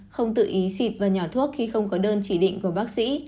không tự ý xịt và nhỏ thuốc khi không có đơn chỉ định của bác sĩ